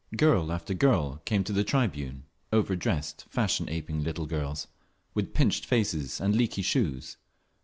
Girl after girl came to the tribune—over dressed, fashion aping little girls, with pinched faces and leaky shoes.